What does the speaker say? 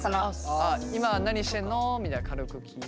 今何してんの？みたいに軽く聞いて。